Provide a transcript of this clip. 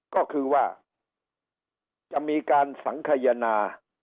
ก็คือว่าจะมีการสังขยนา